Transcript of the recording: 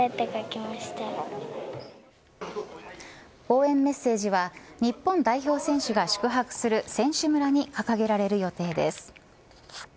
応援メッセージは日本代表選手が宿泊する選手村に掲げられる予定です。